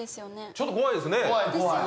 ちょっと怖いですね。